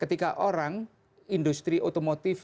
ketika orang industri otomotif